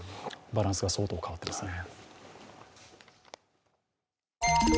バランスが相当変わってますね。